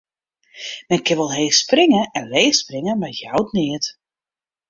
Men kin wol heech springe en leech springe, mar it jout neat.